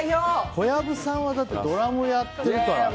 小籔さんはドラムやってるからね。